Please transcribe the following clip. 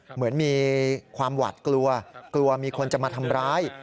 เหมือนมีความหวาดกลัวกลัวมีคนจะมาทำร้าย